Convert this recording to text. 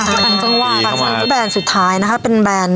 อ๋อต่างจังวันแบรนด์สุดท้ายนะฮะเป็นแบรนด์